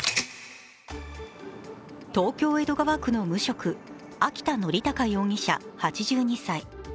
東京・江戸川区の無職秋田憲隆容疑者８２歳。